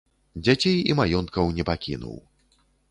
Дзяцей і маёнткаў не пакінуў.